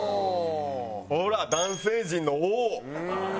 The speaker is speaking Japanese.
ほら男性陣の「おおー」。